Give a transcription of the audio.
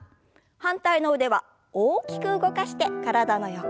反対の腕は大きく動かして体の横。